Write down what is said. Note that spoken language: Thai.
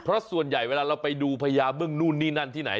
เพราะส่วนใหญ่เวลาเราไปดูพญาบึ้งนู่นนี่นั่นที่ไหน